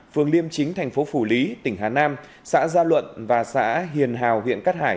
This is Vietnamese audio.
phường liêm chính thành phố phủ lý tỉnh hà nam xã gia luận và xã hiền hào huyện cát hải